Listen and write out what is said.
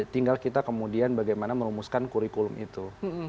tinggal kita kemudian bagaimana merumuskan kurikulum itu